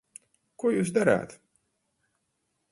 Ko jūs darāt?